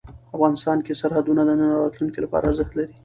افغانستان کې سرحدونه د نن او راتلونکي لپاره ارزښت لري.